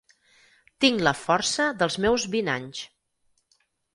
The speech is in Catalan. Tinc la força dels meus vint anys.